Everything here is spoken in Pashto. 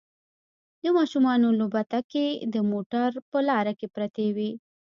د ماشومانو لوبتکې د موټر په لاره کې پرتې وي